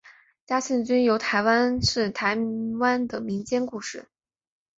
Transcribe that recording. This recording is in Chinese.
嘉庆君游台湾是台湾的民间故事。